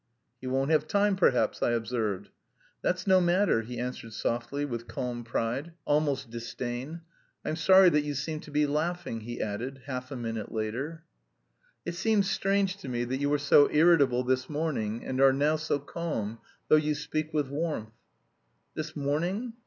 "He won't have time, perhaps," I observed. "That's no matter," he answered softly, with calm pride, almost disdain. "I'm sorry that you seem to be laughing," he added half a minute later. "It seems strange to me that you were so irritable this morning and are now so calm, though you speak with warmth." "This morning?